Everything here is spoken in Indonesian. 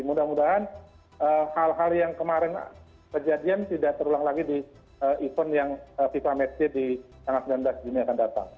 mudah mudahan hal hal yang kemarin kejadian tidak terulang lagi di event yang fifa match day di tanggal sembilan belas juni akan datang